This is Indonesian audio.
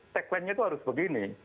tagline nya itu harus begini